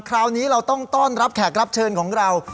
คราวนี้เราต้องต้อนรับแขกรับเชิญของเรา